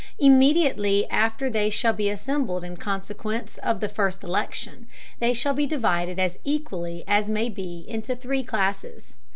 Immediately after they shall be assembled in Consequence of the first Election, they shall be divided as equally as may be into three Classes.